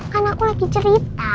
kan aku lagi cerita